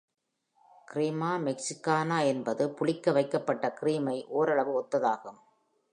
"Crema Mexicana" என்பது புளிக்கவைக்கப்பட்ட கிரீமை ஒரளவு ஒத்ததாகும்.